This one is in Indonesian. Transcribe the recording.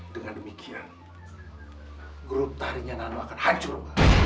dengan demikian grup tarinya nando akan hancur